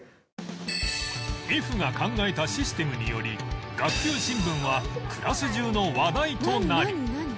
Ｆ が考えたシステムにより学級新聞はクラス中の話題となり